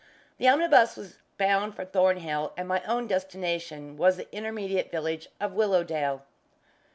The omnibus was bound for Thornhill, and my own destination was the intermediate village of Willowdale.